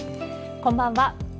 こんばんは。